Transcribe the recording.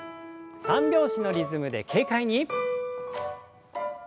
三拍子のリズムで軽快に。